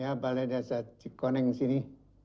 ya balai desa cikoneng sini